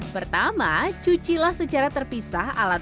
pertama cucilah secara terpisah alat sholat dengan pakaian kosong